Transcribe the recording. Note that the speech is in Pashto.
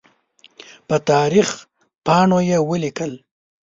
په تاریخ پاڼو یې ولیکل.